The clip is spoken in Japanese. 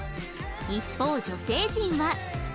一方女性陣は